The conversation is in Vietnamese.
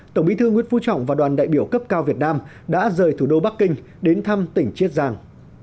tổng bí thư nguyễn phú trọng và đoàn đại biểu cấp cao việt nam đã rời thủ đô bắc kinh đến thăm tỉnh chiết giang